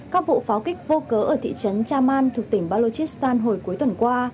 các vụ pháo kích vô cớ ở thị trấn chaman thuộc tỉnh balochistan hồi cuối tuần qua